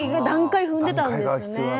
段階踏んでたんですね。